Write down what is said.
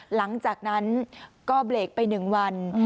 หลังจากนั้นก็เบรกไป๑วัน